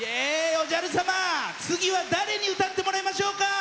おじゃる様、次は誰に歌ってもらいましょうか！